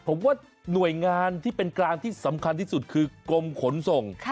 ผมว่าหน่วยงานที่เป็นกลางที่สำคัญที่สุดคือกรมขนส่ง